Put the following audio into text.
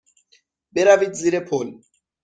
بروید زیر پل.